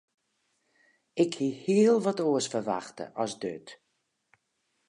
Ik hie hiel wat oars ferwachte as dit.